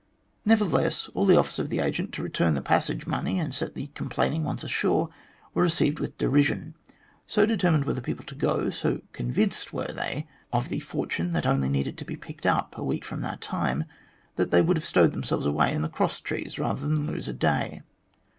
Nevertheless, all the offers of the agent to return the passage money and set the complaining ones ashore were received with derision. So determined were the people to go, so convinced were they of the fortune that only needed to be picked up a week from that time, that they would have stowed themselves away in the cross trees rather than lose a day.